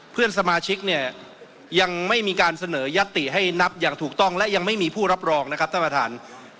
เพื่อนสมาชิกเนี่ยยังไม่มีการเสนอยัตติให้นับอย่างถูกต้องและยังไม่มีผู้รับรองนะครับท่านประธาน